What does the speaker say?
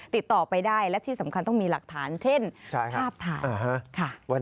ติดต่อไปได้และที่สำคัญต้องมีหลักฐานเช่นภาพถ่าย